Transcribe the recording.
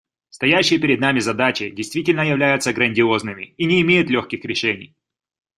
Стоящие перед нами задачи действительно являются грандиозными и не имеют легких решений.